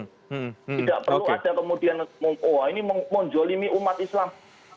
tidak perlu ada kemudian wah ini menjolimi umat islam